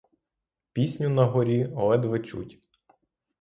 Пісню на горі ледве чуть.